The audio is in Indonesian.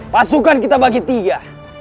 pasukan kita bagi tiga